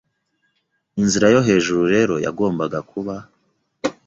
Inzira yo hejuru rero yagombaga kuba